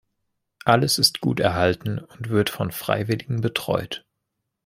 Alles ist gut erhalten und wird von Freiwilligen betreut.